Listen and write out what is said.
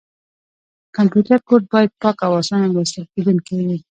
کمپیوټر کوډ باید پاک او اسانه لوستل کېدونکی وي.